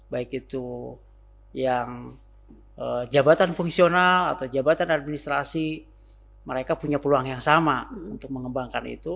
baik itu yang jabatan fungsional atau jabatan administrasi mereka punya peluang yang sama untuk mengembangkan itu